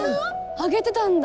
あげてたんだ。